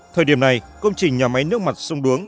thời điểm này công trình nhà máy nước mặt sông đuống